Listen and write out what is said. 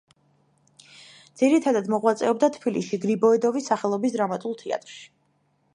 ძირითადად მოღვაწეობდა თბილისში, გრიბოედოვის სახელობის დრამატულ თეატრში.